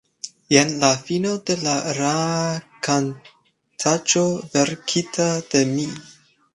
Jen la fino de la rakontaĉo verkita de mi.